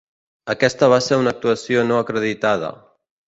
Aquesta va ser una actuació no acreditada.